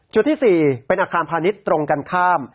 ที่๔เป็นอาคารพาณิชย์ตรงกันข้าม